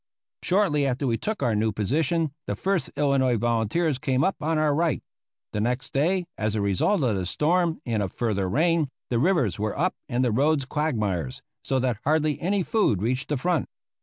Shortly after we took our new position the First Illinois Volunteers came up on our right. The next day, as a result of the storm and of further rain, the rivers were up and the roads quagmires, so that hardly any food reached the front.